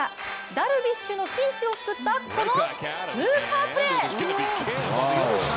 ダルビッシュのピンチを救ったこのスーパープレー。